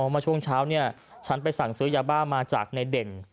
เมื่อช่วงเช้าเนี่ยฉันไปสั่งซื้อยาบ้ามาจากในเด่น